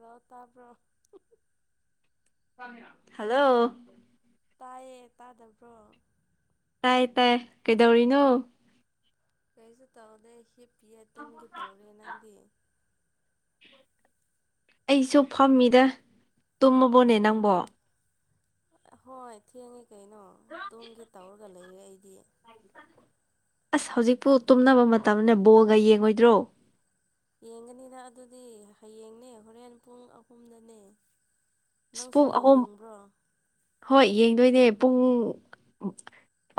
ꯂꯣꯇ꯭ꯔꯣ hello ꯇꯥꯏꯌꯦ ꯇꯥꯗꯕ꯭ꯔꯣ ꯇꯥꯏ ꯇꯥꯏ ꯀꯩꯗꯧꯔꯤꯅꯣ ꯀꯩꯁꯨ ꯇꯧꯗꯦ ꯍꯤꯞꯄꯤꯌꯦ ꯇꯨꯡꯒꯤ ꯇꯧꯔꯦ ꯅꯪꯗꯤ ꯑꯩꯁꯨ ꯐꯝꯃꯤꯗ ꯇꯨꯝꯃꯕꯣꯅꯦ ꯅꯪꯕꯣ ꯍꯣꯏ ꯊꯦꯡꯉꯦ ꯀꯩꯅꯣ ꯇꯨꯡꯒꯦ ꯇꯧꯔꯒ ꯂꯩꯔꯦ ꯑꯩꯗꯤ ꯑꯁ ꯍꯧꯖꯤꯛꯄꯨ ꯇꯨꯝꯅꯕ ꯃꯇꯝꯅꯦ ꯕꯣꯜꯒ ꯌꯦꯡꯉꯣꯏꯗ꯭ꯔꯣ ꯌꯦꯡꯒꯅꯤꯗ ꯑꯗꯨꯗꯤ ꯍꯌꯦꯡꯅꯦ ꯍꯣꯔꯦꯟ ꯄꯨꯡ ꯑꯍꯨꯝꯗꯅꯦ ꯑꯁ ꯅꯪꯁꯨ ꯄꯨꯡ ꯕꯣꯜ ꯑꯍꯨꯝ ꯌꯦꯡꯕ꯭ꯔꯣ ꯍꯣꯏ ꯌꯦꯡꯗꯣꯏꯅꯦ ꯄꯨꯡ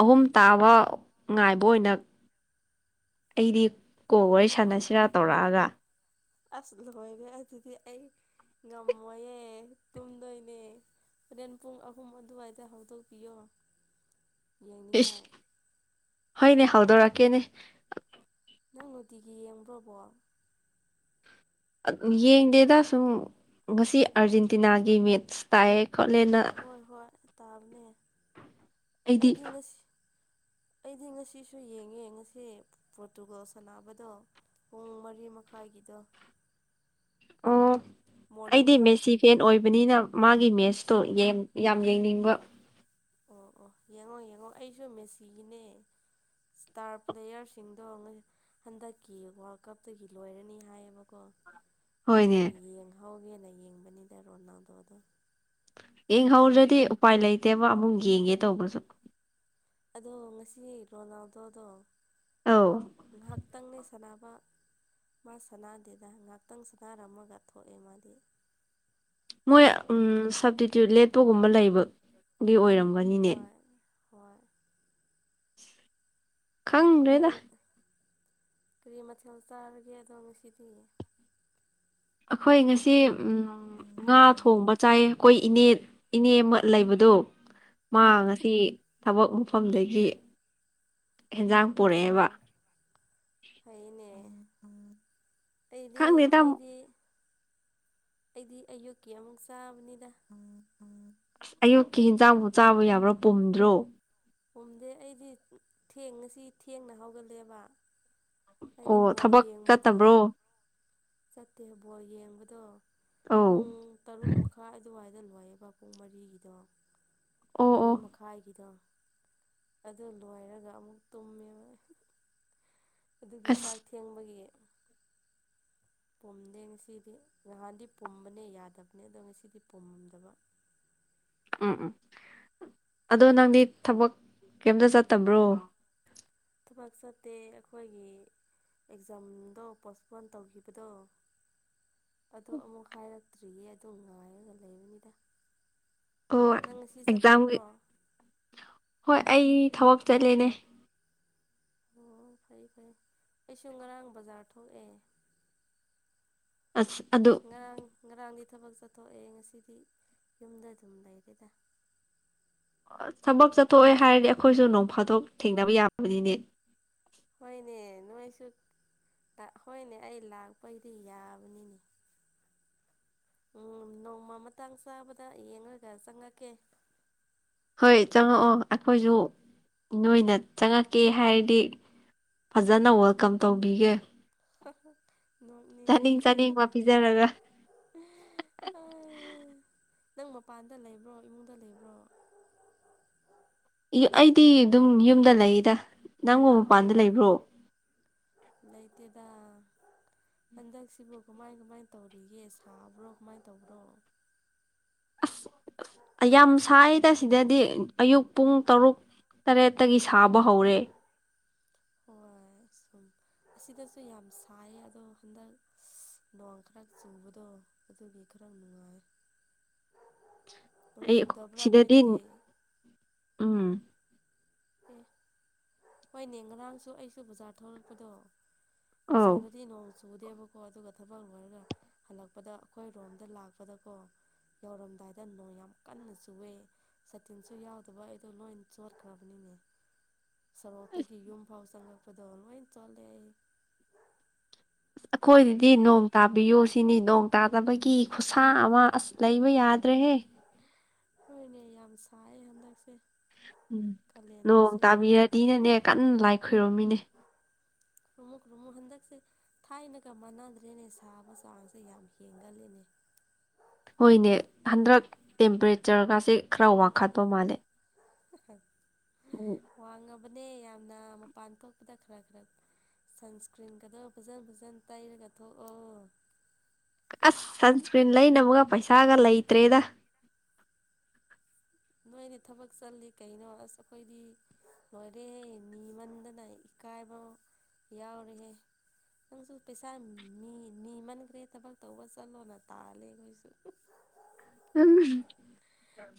ꯑꯍꯨꯝ ꯇꯥꯕ ꯉꯥꯏꯕ ꯑꯣꯏꯅ ꯑꯩꯗꯤ ꯀꯣꯛ ꯋꯥꯔꯤ ꯁꯥꯟꯅꯁꯤꯔꯥ ꯇꯧꯔꯛꯑꯒ ꯑꯁ ꯂꯣꯏꯔ ꯑꯗꯨꯗꯤ ꯑꯩ ꯉꯝꯃꯣꯏꯌꯦꯦ ꯇꯨꯝꯗꯣꯏꯅꯦ ꯍꯣꯔꯦꯟ ꯄꯨꯡ ꯑꯍꯨꯝ ꯑꯗꯨꯋꯥꯏꯗ ꯍꯧꯗꯣꯛꯄꯤꯌꯣ ꯌꯦꯡꯅꯤꯡꯉꯥꯏ ꯍꯣꯏꯅꯦ ꯍꯧꯎꯗꯣꯔꯛꯀꯦꯅꯦ ꯅꯪ ꯅꯨꯡꯇꯤꯒꯤ ꯌꯦꯡꯕ꯭ꯔ ꯕꯣꯜ ꯌꯦꯡꯗꯦꯗ ꯁꯨꯝ ꯉꯁꯤ ꯑꯔꯖꯦꯟꯇꯤꯅꯥꯒꯤ ꯃꯦꯠꯁ ꯇꯥꯏꯑ ꯍꯣꯏ ꯍꯣꯏ ꯇꯥꯕꯅꯦ ꯑꯩꯗꯤ ꯉꯁꯤ ꯑꯩꯗꯤ ꯉꯁꯤꯁꯨ ꯌꯦꯡꯉꯦ ꯉꯁꯤ ꯄꯣꯇꯨꯒꯜ ꯁꯥꯟꯅꯕꯗꯣ ꯄꯨꯡ ꯃꯔꯤ ꯃꯈꯥꯏꯒꯤꯗ ꯑꯣ ꯑꯩꯗꯤ ꯃꯦꯁꯤ ꯐꯦꯟ ꯑꯣꯏꯕꯅꯤꯅ ꯃꯥꯒꯤ ꯃꯦꯁꯇꯣ ꯌꯥꯝ ꯌꯦꯡꯅꯤꯡꯕ ꯑꯣ ꯑꯣ ꯌꯦꯡꯉꯣ ꯌꯦꯡꯉꯣ ꯑꯩꯁꯨ ꯃꯦꯁꯤꯒꯤꯅꯦ ꯁꯇꯥꯔ ꯄ꯭ꯂꯦꯌꯔꯁꯤꯡꯗꯣ ꯍꯟꯗꯛꯀꯤ ꯋꯥꯔꯜ ꯀꯞꯇꯒꯤ ꯂꯣꯏꯔꯅꯤ ꯍꯥꯏꯌꯦꯕꯀꯣ ꯍꯣꯏꯅꯦ ꯑꯗꯨꯒꯤ ꯌꯦꯡꯍꯧꯒꯦꯅ ꯌꯦꯡꯕꯅꯤꯗ ꯔꯣꯅꯥꯎꯗꯣꯗꯣ ꯌꯦꯡꯍꯧꯗ꯭ꯔꯗꯤ ꯎꯄꯥꯏ ꯂꯩꯇꯦꯕ ꯑꯃꯨꯛ ꯌꯦꯡꯒꯦ ꯇꯧꯕꯁꯨ ꯑꯗꯣ ꯉꯁꯤ ꯔꯣꯅꯥꯜꯗꯣꯗꯣ ꯑꯧ ꯉꯥꯏꯍꯥꯛꯇꯪꯅꯦ ꯁꯅꯥꯕ ꯃꯥ ꯁꯅꯥꯗꯦꯗ ꯉꯍꯥꯛꯇꯪ ꯁꯅꯔꯝꯃꯒ ꯊꯣꯛꯑꯦ ꯃꯥꯗꯤ ꯃꯣꯏ ꯁꯞꯇꯤꯇ꯭ꯌꯨꯠ ꯂꯦꯠꯄꯒꯨꯝꯕ ꯂꯩꯕꯒꯤ ꯑꯣꯏꯔꯝꯒꯅꯤꯅꯦ ꯍꯣꯏ ꯍꯣꯏ ꯈꯪꯗ꯭ꯔꯦꯗ ꯀꯔꯤꯃꯊꯦꯜ ꯆꯥꯔꯒꯦ ꯑꯗꯨ ꯅꯨꯡꯁꯤꯗꯤ ꯑꯩꯈꯣꯏ ꯉꯁꯤ ꯉꯥ ꯊꯣꯡꯕ ꯆꯥꯏꯌꯦ ꯀꯣꯏ ꯏꯅꯦ ꯏꯅꯦ ꯂꯩꯕꯗꯣ ꯃꯥ ꯎꯝ ꯉꯁꯤ ꯊꯕꯛ ꯃꯐꯝꯗꯒꯤ ꯍꯦꯟꯖꯥꯡ ꯄꯨꯂꯣ ꯄꯨꯔꯛꯑꯦꯕ ꯑꯩꯅꯦ ꯈꯪꯗꯦ ꯇ ꯑꯩꯗꯤ ꯑꯩꯗꯤ ꯑꯌꯨꯛꯀꯤ ꯑꯃꯨꯛ ꯆꯥꯕꯅꯤꯗ ꯑꯁ ꯑꯌꯨꯛꯀꯤ ꯍꯟꯖꯥꯡꯕꯨ ꯆꯥꯕ ꯌꯥꯕ꯭ꯔꯥ ꯄꯨꯝꯗ꯭ꯔꯣ ꯎꯨꯝꯗꯦ ꯑꯩꯗꯤ ꯊꯦꯡ ꯉꯁꯤ ꯊꯦꯡꯅ ꯍꯧꯒꯠꯂꯦꯕ ꯑꯣ ꯊꯕꯛ ꯀꯠꯇꯕ꯭ꯔꯣ ꯆꯠꯇꯦꯕꯣ ꯌꯦꯡꯕꯗꯣ ꯑꯧ ꯄꯨꯡ ꯇꯔꯨꯛ ꯃꯈꯥꯏ ꯑꯗꯨꯋꯥꯏꯗ ꯑꯗ ꯂꯣꯏꯌꯦꯕ ꯄꯨꯡ ꯃꯔꯤꯒꯤꯗꯣ ꯑꯣ ꯑꯣ ꯃꯔꯤ ꯃꯈꯥꯏꯒꯤꯗꯣ ꯑꯗꯨ ꯂꯣꯏꯔꯒ ꯑꯃꯨꯛ ꯇꯨꯝꯃꯦꯕ ꯑꯗꯨꯒꯤ ꯑꯁ ꯆꯥꯛ ꯊꯦꯡꯕꯒꯤ ꯄꯨꯝꯗꯦ ꯉꯁꯤꯗꯤ ꯅꯍꯥꯟꯗꯤ ꯄꯨꯝꯕꯅꯦ ꯌꯥꯗꯕꯅꯦ ꯑꯗꯣ ꯉꯁꯤꯗꯤ ꯄꯨꯝꯗꯕ [inaudible] ꯎꯝ ꯎꯝ ꯑꯗꯣ ꯅꯪꯗꯤ ꯊꯕꯛ ꯀꯩꯇ ꯆꯠꯇꯕ꯭ꯔꯣ ꯊꯕꯛ ꯆꯠꯇꯦ ꯑꯩꯈꯣꯏꯒꯤ ꯑꯦꯛꯖꯥꯝꯗꯣ ꯄꯣꯁꯄꯣꯟ ꯇꯧꯈꯤꯕꯗꯣ [inaudible] ꯑꯗꯣ ꯑꯃꯨꯛ ꯍꯥꯏꯔꯛꯇ꯭ꯔꯤꯌꯦ ꯑꯗꯨ ꯉꯥꯏꯔꯒ ꯂꯩꯕꯅꯤꯗ ꯍ ꯅꯪ ꯉꯁꯤ ꯑꯦꯛꯖꯝꯒꯤ ꯆꯠꯊꯣꯛꯄ꯭ꯔꯣ ꯍꯣꯏ ꯑꯩ ꯊꯕꯛ ꯆꯠꯂꯦꯅꯦ ꯑꯣ ꯐꯩ ꯐꯔ ꯑꯩꯁꯨ ꯉꯔꯥꯡ ꯕꯖꯥꯔ ꯊꯣꯛꯑꯦ ꯑꯁ ꯑꯗꯨ ꯉ꯭ꯔꯥꯡ ꯉ꯭ꯔꯥꯡꯒꯤ ꯊꯕꯛ ꯆꯠꯊꯣꯛꯑꯦ ꯉꯁꯤꯗꯤ ꯌꯨꯝꯗ ꯑꯗꯨꯝ ꯂꯩꯔꯦꯗ ꯊꯕꯛ ꯆꯠꯊꯣꯛꯑꯦ ꯍꯥꯏꯔꯗꯤ ꯑꯩꯈꯣꯏꯁꯨ ꯅꯣꯡꯐꯥꯗꯣꯛ ꯊꯦꯡꯅꯕ ꯌꯥꯕꯅꯤꯅꯦ ꯍꯣꯏꯅꯦ ꯅꯣꯏꯁꯨ ꯍꯣꯏꯅꯦ ꯑꯩ ꯂꯥꯛꯄꯩꯗꯤ ꯌꯥꯕꯅꯤꯅꯦ ꯎꯝ ꯅꯣꯡꯃ ꯃꯇꯥꯡ ꯆꯥꯕꯗ ꯌꯦꯡꯉꯒ ꯆꯪꯉꯛꯀꯦ ꯍꯣꯏ ꯆꯪꯉꯛꯑꯣ ꯑꯩꯈꯣꯏꯁꯨ ꯅꯣꯏꯅ ꯆꯪꯉꯛꯀꯦ ꯍꯥꯏꯔꯗꯤ ꯐꯖꯅ ꯋꯦꯜꯀꯝ ꯇꯧꯕꯤꯒꯦ ꯍ ꯆꯥꯅꯤꯡ ꯆꯥꯅꯤꯡꯕ ꯄꯤꯖꯔꯒ ꯅꯪ ꯃꯄꯥꯟꯗ ꯂꯩꯕ꯭ꯔꯣ ꯏꯃꯨꯡꯗ ꯂꯩꯕ꯭ꯔꯣ ꯑꯩꯗꯤ ꯑꯗꯨꯝ ꯌꯨꯝꯗ ꯂꯩꯗ ꯅꯪꯕꯨ ꯃꯄꯥꯟꯗ ꯂꯩꯕ꯭ꯔꯣ ꯂꯩꯇꯗ ꯍꯟꯗꯛꯁꯤꯕꯨ ꯀꯃꯥꯏ ꯀꯃꯥꯏ ꯇꯧꯔꯤꯒꯦ ꯁꯥꯕ꯭ꯔꯣ ꯀꯃꯥꯏꯅ ꯇꯧꯕ꯭ꯔꯣ ꯑꯁ ꯌꯥꯝ ꯁꯥꯏꯗ ꯁꯤꯗꯗꯤ ꯑꯌꯨꯛ ꯄꯨꯡ ꯇꯔꯨꯛ ꯇꯔꯦꯠꯇꯒꯤ ꯁꯥꯕ ꯍꯧꯔꯦ ꯍꯣꯏ [unintelligible] ꯁꯨꯝ ꯑꯁꯤꯗꯁꯨ ꯌꯥꯝ ꯁꯥꯏꯌꯦ ꯑꯗꯣ ꯍꯟꯗꯛ ꯅꯋꯥꯡ ꯈꯔ ꯆꯨꯕꯗꯣ ꯑꯗꯨꯗꯤ ꯈꯔ ꯅꯨꯡꯉꯥꯏ ꯅꯣꯡ ꯑꯩ ꯆꯨꯗꯕ꯭ꯔꯥ ꯁꯤꯗꯗꯤ ꯅꯣꯏꯗꯗꯤ ꯎꯝ ꯑꯦ ꯍꯣꯏꯅꯦ ꯉꯔꯥꯡꯁꯨ ꯑꯩꯁꯨ ꯕꯖꯥꯔ ꯊꯂꯛꯄꯗꯣ ꯑꯧ ꯄꯁꯥꯔꯗꯤ ꯅꯣ ꯁꯨꯗꯦꯕ ꯀꯣ ꯑꯗꯨꯒ ꯊꯕꯛ ꯂꯣꯏꯔꯒ ꯍꯜꯂꯛꯄꯗ ꯑꯩꯈꯣꯏ ꯔꯣꯝꯗ ꯂꯥꯛꯄꯗꯀꯣ ꯌꯧꯔꯝꯗꯥꯏꯗ ꯅꯣꯡ ꯌꯥꯝ ꯀꯟꯅ ꯆꯨꯏꯦ ꯁꯇꯤꯟꯁꯨ ꯌꯥꯎꯗꯕ ꯑꯩꯗꯣ ꯂꯣꯏ ꯆꯣꯠꯈ꯭ꯔꯕ [unintelligible] ꯁꯣꯔꯣꯛꯇꯒꯤ ꯌꯨꯝꯐꯥꯎ ꯆꯪꯪꯂꯉꯛꯄꯗꯣ ꯂꯣꯏ ꯆꯣꯂꯦ ꯑꯩ ꯑꯁ ꯑꯩꯈꯣꯏꯗꯗꯤ ꯍꯧꯖꯤꯛ ꯅꯣꯡ ꯇꯥꯕꯤꯌꯨ ꯁꯤꯅꯤ ꯅꯣꯡ ꯇꯥꯗꯕꯒꯤ ꯀꯤ ꯈꯨꯠꯁꯥ ꯑꯃ ꯑꯁ ꯂꯩꯕ ꯌꯥꯗ꯭ꯔꯦꯍꯦ ꯍꯣꯏꯅꯦ ꯌꯥꯝ ꯁꯥꯏ ꯍꯟꯗꯛꯁꯦ ꯎꯝ ꯅꯣꯡ ꯀꯥꯂꯦꯟꯒꯤꯁꯦ ꯌꯥꯝ ꯇꯥꯕꯤꯔꯗꯤꯅꯅꯦ ꯀꯟꯅ ꯂꯥꯏ ꯈꯣꯏꯔꯣꯃꯤꯅꯦ ꯔꯨꯃꯨ ꯔꯨꯃꯨꯛ ꯍꯟꯗꯛꯁꯦ ꯊꯥꯏꯅꯒ ꯃꯥꯟꯅꯗ꯭ꯔꯦꯅꯦ ꯁꯥꯕ ꯆꯥꯡꯁꯦ ꯌꯥꯝ ꯍꯦꯟꯒꯂꯅꯦ ꯍꯣꯏꯅꯦ ꯍꯟꯗꯛ ꯇꯦꯝꯄꯔꯦꯆꯔꯒꯁꯤꯦ ꯈꯔ ꯋꯥꯡꯈꯠꯄ ꯃꯥꯜꯂꯦ ꯎꯝ ꯋꯥꯡꯉꯕꯅꯦ ꯌꯥꯝꯅ ꯃꯄꯥꯟ ꯊꯣꯛꯄꯗ ꯈꯔ ꯈꯔ ꯁꯟꯁꯀ꯭ꯔꯤꯟꯒꯗꯣ ꯐꯖꯅ ꯐꯖꯅ ꯇꯩꯔꯒ ꯊꯣꯛꯑꯣ ꯑꯁ ꯁꯟꯁꯀ꯭ꯔꯤꯟ ꯂꯩꯅ ꯑꯃꯒ ꯄꯩꯁꯥꯒ ꯂꯩꯇ꯭ꯔꯦꯗ ꯃꯣꯏꯅ ꯊꯕꯛ ꯆꯠ ꯀꯩꯅꯣ ꯑꯁ ꯑꯩꯈꯣꯏꯗꯤ ꯂꯣꯏꯔꯦꯍꯦ ꯃꯤꯃꯟꯗꯅ ꯏꯀꯥꯏꯕ ꯌꯥꯎꯔꯤꯍꯦ ꯅꯪꯁꯨ ꯄꯩꯁꯥ ꯅꯤꯃꯟꯈ꯭ꯔꯦ ꯊꯕꯛ ꯇꯧꯕ ꯆꯠꯂꯣꯅ ꯇꯥꯜꯂꯦ ꯑꯩꯈꯣꯏꯁꯨ ꯎꯝ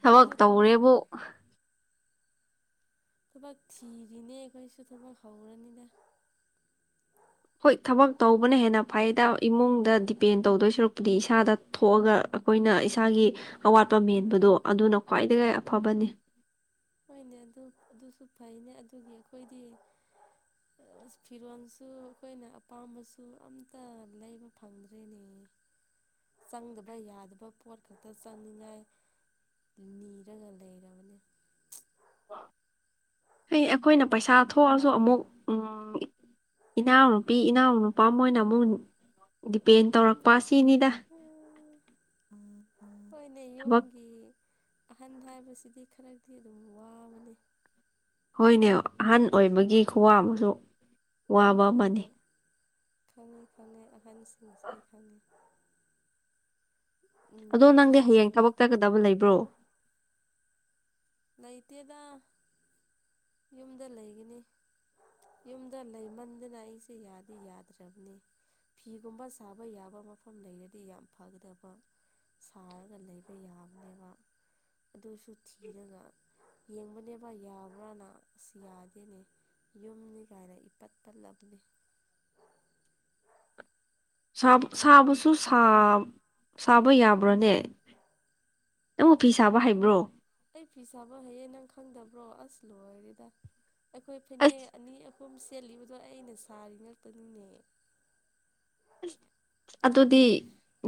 ꯊꯕꯛ ꯇꯧꯔꯦꯕꯨ ꯊꯕꯛ ꯊꯤꯔꯤꯅꯦ ꯑꯩꯈꯣꯏꯁꯨ ꯊꯕꯛ ꯍꯧꯔꯅꯤꯗ ꯍꯣꯏ ꯊꯕꯛ ꯇꯧꯕꯅ ꯍꯦꯟꯅ ꯐꯩꯗ ꯏꯃꯨꯡꯗ ꯗꯤꯄꯦꯟ ꯇꯧꯗꯣꯏ ꯁꯨꯔꯛꯄꯨꯗꯤ ꯏꯁꯥꯗ ꯊꯣꯛꯑꯒ ꯑꯩꯈꯣꯏꯅ ꯏꯁꯥꯒꯤ ꯑꯋꯥꯠꯄ ꯃꯦꯟꯕꯗꯣ ꯑꯗꯨꯅ ꯈ꯭ꯋꯥꯏꯗꯒꯤ ꯑꯐꯕꯅꯤ ꯍꯣꯏꯅꯦ ꯑꯗꯨ ꯑꯗꯨꯁꯨ ꯐꯩꯅꯦ ꯑꯗꯨꯒꯤ ꯑꯩꯈꯣꯏꯗꯤ ꯑꯁ ꯐꯤꯔꯣꯟꯜꯁꯨ ꯑꯩꯈꯣꯏꯅ ꯑꯄꯥꯝꯕꯁꯨ ꯑꯝꯇ ꯂꯩꯕ ꯐꯪꯗ꯭ꯔꯦꯅꯦ [unintelligible] ꯆꯪꯗꯕ ꯌꯥꯗꯕ ꯄꯣꯠ ꯈꯛꯇ ꯆꯪꯅꯤꯡꯉꯥꯏ ꯅꯤꯔꯒ ꯂꯩꯔꯕꯅꯦ ꯍ ꯑꯩꯈꯣꯏꯅ ꯄꯩꯁꯥ ꯊꯣꯛꯑꯁꯨ ꯑꯃꯨꯛ ꯎ ꯏꯅꯥꯎꯅꯨꯄꯤ ꯏꯅꯥꯎ ꯅꯨꯄꯥ ꯃꯣꯏꯅ ꯑꯃꯨꯛ ꯗꯤꯄꯦꯟ ꯇꯧꯔꯛꯄ ꯑꯁꯤꯅꯤꯗ ꯍꯣꯏꯅꯦ ꯊꯕꯛ ꯌꯨꯝꯒꯤ ꯑꯍꯟ ꯍꯥꯏꯕꯁꯤꯗꯤ ꯈꯔꯗꯤ ꯑꯗꯨꯝ ꯋꯥꯕꯅꯤ ꯍꯈꯣꯏꯅꯦ ꯑꯍꯟ ꯑꯣꯏꯕꯒꯤ ꯈꯨꯋꯥ ꯑꯃꯁꯨ ꯋꯥꯕ ꯑꯃꯅꯤ ꯈꯅꯤ ꯈꯅꯤ ꯑꯅꯤꯁꯤꯡꯁ ꯈꯅꯤ ꯑꯗꯣ ꯅꯪꯗꯤ ꯍꯌꯦꯡ ꯊꯕꯛꯇꯒꯗꯕ ꯂꯩꯕ꯭ꯔꯣ ꯂꯩꯇꯦꯗ ꯌꯨꯝꯗ ꯂꯩꯒꯅꯤ ꯌꯨꯝꯗ ꯂꯩꯃꯟꯗꯅ ꯑꯩꯁꯦ ꯌꯥꯗꯤ ꯌꯥꯗ꯭ꯔꯕꯅꯤ ꯐꯤꯒꯨꯝꯕ ꯁꯥꯕ ꯌꯥꯕ ꯃꯐꯝ ꯂꯩꯔꯗꯤ ꯌꯥꯝ ꯐꯒꯗꯕ ꯁꯥꯔꯒ ꯂꯩꯕ ꯌꯥꯕꯅꯦꯕ ꯑꯗꯨꯁꯨ ꯊꯤꯔꯒ ꯌꯦꯡꯕꯅꯦꯕ ꯌꯥꯕ꯭ꯔꯥꯅ ꯑꯁ ꯌꯥꯗꯦꯅꯦ ꯌꯨꯝꯅꯤ ꯀꯥꯏꯅ ꯏꯄꯠ ꯄꯠꯂꯕꯅꯤ [unintelligible] ꯁꯥꯕꯁꯨ ꯁꯥꯕ ꯌꯥꯕ꯭ꯔꯣꯅꯦ ꯅꯪ ꯑꯣꯐꯤꯁ ꯁꯥꯕ ꯍꯩꯕ꯭ꯔꯣ ꯑꯩ ꯐꯤ ꯁꯥꯕ ꯍꯩꯌꯦꯦ ꯅꯪ ꯈꯪꯗꯕ꯭ꯔꯣ ꯑꯁ ꯂꯣꯏꯔꯦꯗ ꯑꯩꯈꯣꯏ ꯐꯅꯦꯛ ꯑꯁ ꯑꯅꯤ ꯁꯨꯝ ꯁꯦꯠꯂꯤꯕꯗꯣ ꯑꯩꯅ ꯁꯥꯔꯤ ꯉꯥꯛꯛꯇꯅꯤꯅꯦ ꯑꯗꯨꯗꯤ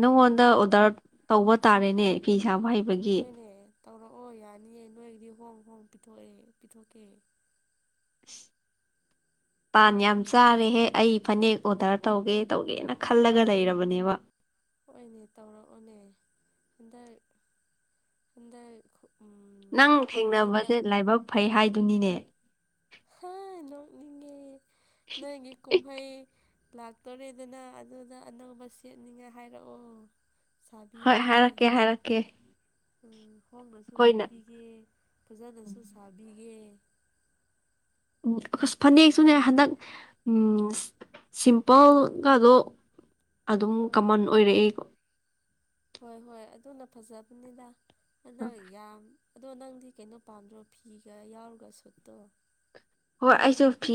ꯅꯪꯉꯣꯟꯗ ꯑꯣꯗꯔ ꯇꯧꯕ ꯇꯥꯔꯦꯅꯦ ꯐꯤꯁ ꯄꯩꯁꯥ ꯄꯥꯏꯕꯒꯤ ꯍꯣꯏꯅꯦ ꯇꯧꯔꯛꯑꯣ ꯌꯥꯅꯤꯌꯦ ꯅꯣꯏꯒꯤꯗꯤ ꯍꯣꯡ ꯍꯣꯡ ꯄꯤꯊꯣꯛꯑꯦ ꯄꯤꯊꯣꯛꯀꯦ [unintelligible] ꯄꯥꯟ ꯌꯥꯝ ꯆꯥꯔꯦꯍꯦ ꯑꯩ ꯐꯅꯦꯛ ꯑꯣꯗꯔ ꯇꯧꯒꯦ ꯇꯧꯒꯦꯅ ꯈꯜꯂꯒ ꯂꯩꯔꯕꯅꯦꯕ ꯍꯅꯦ ꯇꯧꯔꯛꯑꯣꯅꯦ ꯍꯟꯗꯛ ꯍꯟꯗꯛ ꯎꯝ ꯅꯪ ꯊꯦꯡꯅꯕꯁꯦ ꯀꯨꯝꯍꯩꯗ ꯂꯥꯏꯕꯛ ꯐꯩ ꯍꯥꯏꯗꯨꯅꯤꯅꯦ ꯍ ꯅꯣꯡꯅꯤꯦ ꯅꯣꯏꯒꯤ ꯀꯨꯝꯍꯩ ꯂꯥꯛꯇꯣꯔꯦꯗꯅ ꯑꯗꯨꯗ ꯑꯅꯧꯕ ꯁꯦꯠꯅꯤꯡꯉ ꯍꯥꯏꯔꯛꯑꯣ ꯍꯣꯏ ꯍꯥꯏꯔꯛꯀꯦ ꯍꯥꯏꯔꯛꯀꯦ ꯎ ꯍꯣꯡꯕꯁꯨ ꯑꯩꯈꯣꯏꯅ ꯂꯧꯕꯤꯒꯦ ꯐꯖꯅꯁꯨ ꯁꯥꯕꯤꯒꯦ ꯎ ꯐꯅꯦꯛꯁꯨꯅꯦ ꯍꯟꯗꯛ ꯎꯝ ꯁꯤꯝꯄꯜꯒꯗꯣ ꯑꯗꯨꯝ ꯍꯣꯏ ꯀꯃꯟ ꯑꯣꯏꯔꯛꯑꯦꯀꯣ ꯍꯣꯏ ꯍꯣꯏ ꯑꯗꯨꯅ ꯐꯖꯕꯅꯤꯅ ꯍꯗ ꯌꯥꯝ ꯑꯗꯣ ꯅꯪꯗꯤ ꯀꯩꯅꯣ ꯄꯥꯝꯗ꯭ꯔꯣ ꯐꯤꯒ ꯌꯥꯎꯔꯒ ꯁꯨꯠꯇꯣ ꯍꯣꯏ ꯑꯩꯁꯨ ꯐꯤ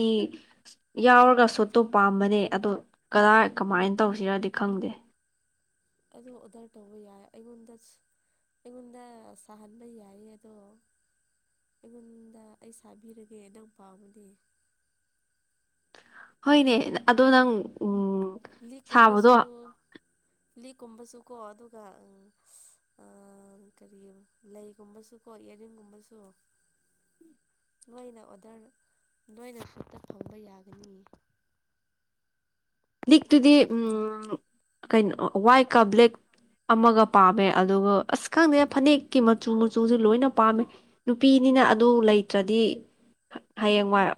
ꯌꯥꯎꯔꯒ ꯁꯣꯠꯇꯣ ꯄꯥꯝꯕꯅꯦ ꯑꯗ ꯀꯗꯥꯏ ꯀꯃꯥꯏꯅ ꯇꯧꯁꯤꯔꯗꯤ ꯈꯪꯗꯦ ꯑꯗ ꯑꯣꯗꯔ ꯇꯧꯕ ꯌꯥꯏ ꯑꯩꯉꯣꯟꯗ ꯑꯩꯉꯣꯟꯗ ꯁꯍꯟꯕ ꯌꯥꯏꯌꯦ ꯑꯗꯣ ꯑꯩꯉꯣꯟꯗ ꯑꯩ ꯁꯥꯕꯤꯔꯒꯦ ꯅꯪ ꯄꯥꯎꯕꯗꯤ ꯍꯣꯏꯅꯦ ꯑꯗꯨꯗ ꯅꯪ ꯎ ꯂꯤ ꯀꯨꯝꯕꯁꯨꯁꯨ ꯂꯤꯛꯀꯨꯝꯕꯁꯨ ꯀꯣ ꯑꯗꯨꯒ ꯎ ꯑ ꯀꯔꯤ ꯂꯩꯒꯨꯝꯕꯁꯨ ꯀꯣ ꯌꯦꯔꯤꯡꯒꯨꯝꯕꯁꯨ [unintelligible] ꯅꯣꯏꯅ ꯑꯣꯗꯔ ꯅꯣꯏꯅ ꯁꯨꯠꯇ ꯐꯪꯕ ꯌꯥꯒꯅꯤ ꯂꯤꯛꯇꯨꯗꯤ ꯎ ꯀꯩꯅꯣ ꯋꯥꯏꯠꯀ ꯕ꯭ꯂꯦꯛ ꯑꯃꯒ ꯄꯥꯝꯃꯦ ꯑꯗꯨꯒ ꯑꯁ ꯈꯪꯗꯅ ꯐꯅꯦꯛꯀꯤ ꯃꯆꯨ ꯃꯆꯨꯁꯨ ꯂꯣꯏꯅ ꯄꯥꯝꯃꯦ ꯅꯨꯄꯤꯅꯤ ꯑꯅ ꯑꯗꯨ ꯂꯩꯇ꯭ꯔꯗꯤ ꯍꯣꯏꯅꯦ ꯍꯌꯦꯡꯋꯥꯏ ꯎ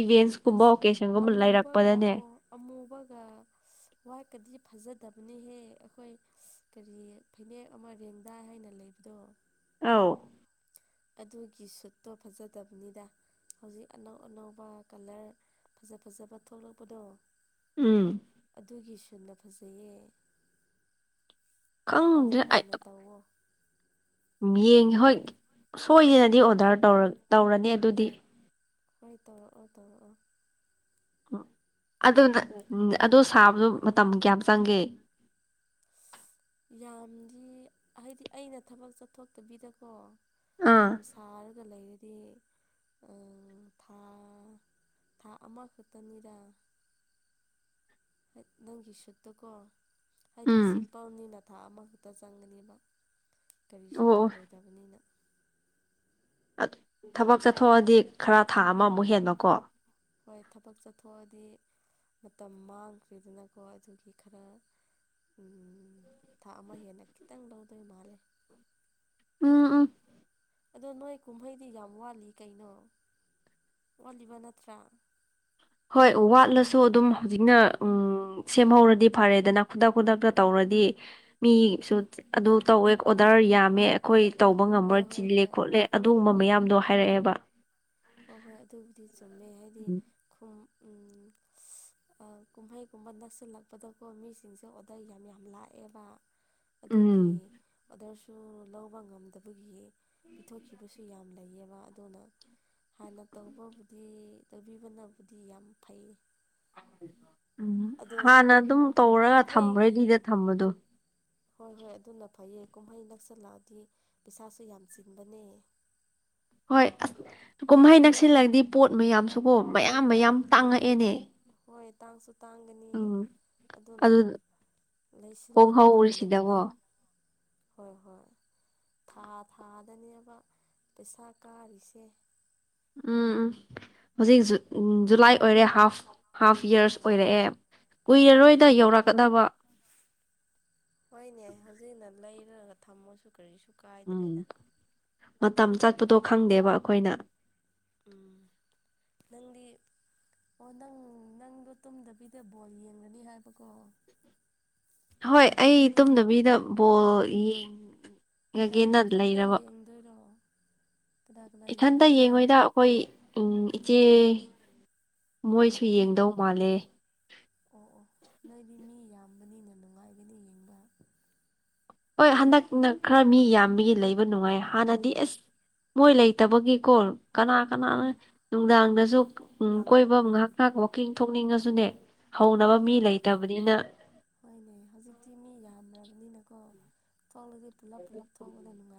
ꯏꯚꯦꯟꯁꯀꯨꯝꯕ ꯑꯁ ꯑꯣꯀꯦꯖꯟꯒꯨꯝꯕ ꯂꯩꯔꯛ ꯑꯃꯨꯕꯒ ꯑꯃꯨꯕꯒ ꯋꯥꯠꯀꯗꯤ ꯐꯖꯗꯕ ꯑꯗꯨꯅꯤꯍꯦ ꯑꯩꯈꯣꯏ ꯀꯔꯤ ꯐꯅꯦꯛ ꯑꯃ ꯔꯦꯡꯗꯥꯏ ꯍꯥꯏꯅ ꯂꯩꯕꯗꯣ ꯑꯥꯎ ꯑꯗꯨꯒꯤ ꯁꯨꯠꯇꯣ ꯐꯖꯗꯕꯅꯤꯗ ꯍꯧꯖꯤꯛ ꯑꯅꯧ ꯑꯅꯧꯕ ꯀꯂꯔ ꯐꯖ ꯐꯖꯕ ꯊꯣꯛꯂꯛꯄꯗꯣ ꯎꯝ ꯑꯗꯨꯒꯤ ꯁꯟꯅ ꯐꯖꯩꯌꯦ ꯑꯗꯨ ꯈꯪꯗꯅ ꯑ ꯑꯣꯏꯅ ꯇꯧꯋꯣ ꯝ ꯌꯦꯡꯉ ꯍꯣꯏ ꯁꯣꯏꯗꯅꯗꯤ ꯑꯣꯗꯔ ꯇꯧꯔꯅꯤ ꯑꯗꯨꯗꯤ ꯍꯣꯏ ꯇꯔꯛꯑꯣ ꯇꯧꯛꯑꯣ ꯑꯗꯨꯅ ꯑꯗꯨ ꯁꯥꯕꯗꯣ ꯃꯇꯝ ꯀꯌꯥꯝ ꯆꯪꯒꯦ [unintelligible] ꯌꯥꯝꯗꯤ ꯍꯥꯏꯗꯤ ꯑꯩꯅ ꯊꯕꯛ ꯆꯠꯊꯣꯛꯇꯕꯤꯗꯀꯣ ꯑꯥ ꯑꯗꯨꯝ ꯁꯥꯔꯒ ꯂꯩꯔꯗꯤ ꯊꯥ ꯊꯥ ꯑꯃ ꯈꯨꯇꯅꯤꯡꯗ ꯅꯪꯒꯤ ꯁꯨꯠꯇꯀꯣ ꯍꯥꯏꯗꯤ ꯎꯝ ꯁꯤꯝꯄꯜꯅꯤꯅ ꯊꯥ ꯑꯃꯈꯛꯇ ꯆꯪꯒꯅꯦꯕ ꯀꯔꯤꯁꯨ ꯑꯣ ꯑꯣ ꯇꯧꯔꯣꯏꯗꯕꯅꯤꯅ ꯊꯕꯛ ꯆꯠꯊꯣꯛꯑꯗꯤ ꯈꯔ ꯊꯥ ꯑꯃꯃꯨꯛ ꯍꯦꯟꯕꯀꯣ ꯍꯣꯏ ꯊꯕꯛ ꯆꯠꯊꯣꯛꯑꯗꯤ ꯃꯇꯝ ꯃꯥꯡꯈ꯭ꯔꯤꯗꯅꯀꯣ ꯑꯗꯨꯒꯤ ꯈꯔ ꯎꯝ ꯊꯥ ꯑꯃ ꯍꯦꯟꯅ ꯈꯤꯇꯪ ꯂꯧꯗꯣꯏ ꯃꯥꯜꯂꯦ ꯎꯥ ꯎ ꯑꯗꯣ ꯅꯣꯏ ꯀꯨꯝꯍꯩꯗꯤ ꯌꯥꯝ ꯋꯥꯠꯂꯤ ꯀꯩꯅꯣ ꯋꯥꯂꯤꯕ ꯅꯠꯇ꯭ꯔꯥ ꯍꯣꯏ ꯋꯥꯠꯂꯁꯨ ꯑꯗꯨꯝ ꯍꯧꯖꯤꯛꯅ ꯎ ꯁꯦꯝꯍꯧꯔꯗꯤ ꯐꯔꯦꯗꯅ ꯈꯨꯗꯛ ꯈꯨꯗꯛꯇ ꯇꯧꯔꯗꯤ ꯃꯤꯁꯨ ꯑꯗꯨ ꯇꯧꯋꯦ ꯑꯣꯗ ꯁꯔ ꯌꯥꯝꯃꯦ ꯑꯩꯈꯣꯏ ꯇꯧꯕ ꯉꯝꯕ꯭ꯔꯥ ꯍꯣꯏ ꯍꯣꯏ ꯆꯤꯜꯂꯦ ꯍꯣꯏ ꯈꯣꯠꯂꯦ ꯑꯗꯨꯒꯨꯝꯕ ꯃꯌꯥꯝꯗꯣ ꯍꯥꯏꯔꯛꯑꯦꯕ ꯍꯣꯏ ꯍꯣꯏ ꯑꯗꯨꯕꯨꯗꯤ ꯆꯨꯝꯃꯦꯩ ꯍꯥꯏꯗꯤ ꯈꯨꯝ [unintelligible] ꯀꯨꯝꯍꯩꯒꯨꯝꯕ ꯅꯛꯁꯤꯜꯂꯛꯄꯗꯀꯣ ꯃꯤꯁꯤꯡꯁꯦ ꯑꯣꯗꯔ ꯌꯥꯝ ꯌꯥꯝ ꯂꯥꯛꯑꯦꯕ ꯑꯗꯨꯒꯤ ꯎꯝ ꯑꯣꯗꯔꯁꯨ ꯂꯧꯕ ꯉꯝꯗꯕꯒꯤ ꯄꯤꯊꯣꯛꯈꯤꯕꯁꯨ ꯌꯥꯝ ꯂꯩꯌꯦꯕ ꯑꯗꯨꯅ ꯍꯥꯟꯅ ꯇꯧꯕꯕꯨꯗꯤ ꯇꯧꯕꯤꯕꯅꯕꯨꯗꯤ ꯌꯥꯝ ꯐꯩ ꯎꯝ ꯑꯗꯣ ꯍꯥꯟꯅ ꯑꯗꯨꯝ ꯇꯧꯔꯒ ꯀꯨꯝꯍꯩꯒꯤ ꯊꯝꯕꯦꯗꯤꯗ ꯊꯝꯕꯗꯨꯣ ꯍꯣꯏ ꯍꯣꯏ ꯑꯗꯨꯅ ꯐꯩꯌꯦ ꯀꯨꯝꯍꯩ ꯅꯛꯁꯜꯂꯛꯑꯗꯤ ꯄꯩꯁꯥꯁꯨ ꯌꯥꯝ ꯆꯤꯟꯕꯅꯦ [unintelligible] ꯍꯣꯏ ꯑꯁ ꯀꯨꯝꯍꯩ ꯅꯛꯁꯤꯜꯂꯗꯤ ꯄꯣꯠ ꯃꯌꯥꯝꯁꯨꯀꯣ ꯃꯌꯥꯝ ꯃꯌꯥꯝ ꯇꯥꯡꯉꯛꯑꯦꯅꯦ ꯍꯣꯏ ꯇꯥꯡꯁꯨ ꯇꯥꯡꯒꯅꯤ ꯎꯝ ꯑꯗꯨꯅ ꯑꯗꯨ ꯂꯩꯁꯤꯜꯂꯒ ꯊꯝꯕꯅꯗꯤ ꯍꯣꯡꯍꯧꯔꯤꯁꯤꯗꯀꯣ ꯍꯣꯏ ꯍꯣꯏ ꯊꯥ ꯊꯥꯗꯅꯦꯕ ꯄꯩꯁꯥ ꯀꯥꯔꯤꯁꯦ ꯎꯝ ꯎꯝ ꯍꯧꯖꯤꯛ ꯖꯨꯂꯥꯏ ꯑꯣꯏꯔꯦ ꯍꯥꯐ ꯍꯥꯐ ꯌꯔꯁ ꯑꯣꯏꯔꯛꯑꯦ ꯍꯣꯏ ꯀꯨꯏꯔꯔꯣꯏꯗ ꯍꯥꯞꯄꯤꯦ ꯌꯧꯔꯛꯀꯗꯕ ꯍꯣꯏꯅꯦ ꯍꯧꯖꯤꯛꯅ ꯂꯩ ꯈꯂꯒ ꯊꯝꯃꯁꯨ ꯀꯔꯤꯁꯨ ꯎꯝ ꯀꯥꯏꯗ꯭ꯔꯦꯗ ꯃꯇꯝ ꯆꯠꯄꯗꯣ ꯈꯪꯗꯦꯕ ꯑꯩꯈꯣꯏꯅ ꯅꯪꯗꯤ ꯑꯣ ꯅꯪ ꯅꯪꯗꯣ ꯇꯨꯝꯗꯕꯤꯗ ꯕꯣꯜ ꯌꯦꯡꯒꯅꯤ ꯍꯥꯏꯕꯀꯣ ꯍꯣꯏ ꯑꯩ ꯇꯨꯝꯅꯕꯤꯗ ꯕꯣꯜ ꯌꯦꯡ ꯀꯅꯥ ꯃꯅꯥꯊꯟꯇ ꯌꯦꯡꯗꯣꯏꯔꯣ ꯀꯅꯥ ꯀꯅꯥ ꯏꯊꯟꯇ ꯌꯦꯡꯗꯣꯏꯔꯣ ꯌꯦꯡꯉꯣꯏꯗ ꯑꯩꯈꯣꯏ ꯏꯆꯦ ꯃꯣꯏꯁꯨ ꯑꯣ ꯌꯦꯡꯗꯧ ꯑꯣ ꯃꯥꯜꯂꯦ ꯑꯣ ꯑꯣ ꯅꯣꯏꯗꯤ ꯃꯤ ꯌꯥꯝꯕꯅꯤꯅ ꯅꯨꯡꯉꯥꯏꯒꯅꯤ ꯌꯦꯡꯕ ꯍꯣꯏ ꯍꯟꯗꯛꯅ ꯈꯔ ꯃꯤ ꯌꯥꯝꯕꯒꯤ ꯂꯩꯕ ꯅꯨꯡꯉꯥꯏ ꯍꯥꯟꯅꯗꯤ ꯑꯦꯁ ꯃꯣꯏ ꯂꯩꯇꯕꯒꯤꯀꯣ ꯀꯅꯥ ꯀꯅꯥꯅ ꯎꯝ ꯅꯨꯡꯗꯥꯡꯗꯁꯨ ꯎꯝ ꯀꯣꯏꯐꯝ ꯉꯥꯏꯍꯥꯛ ꯉꯥꯏꯍꯥꯛ ꯋꯥꯛꯀꯤꯡ ꯊꯣꯛꯅꯤꯡꯉꯁꯨꯅꯦ ꯍꯧꯅꯕ ꯃꯤ ꯍꯣꯏꯅꯦ ꯂꯩꯇꯕꯅꯤꯅ ꯍꯣꯏꯅꯦ ꯍꯧꯖꯤꯛꯇꯤ ꯃꯤ ꯌꯥꯝ꯭ꯔꯕꯅꯤꯅꯀꯣ ꯇꯣꯡꯉꯗꯤ ꯄ ꯂꯂ ꯐꯤꯂ ꯇꯣꯡꯉꯗꯅꯅꯨꯡꯉ